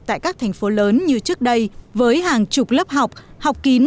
tại các thành phố lớn như trước đây với hàng chục lớp học học kín